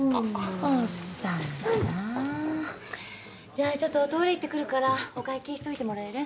じゃあちょっとおトイレ行ってくるからお会計しといてもらえる？